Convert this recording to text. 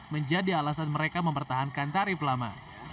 menjadi alasan mereka mempertahankan tarif lama